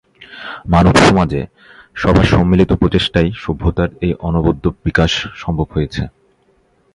মানবসমাজে সবার সম্মিলিত প্রচেষ্টাই সভ্যতার এই অনবদ্য বিকাশ সম্ভব হয়েছে।